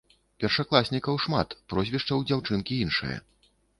Першакласнікаў шмат, прозвішча ў дзяўчынкі іншае.